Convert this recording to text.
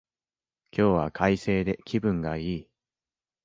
今日は快晴で気分がいい